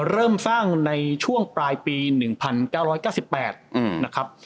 เริ่มสร้างในช่วงปลายปี๑๙๙๘นะครับ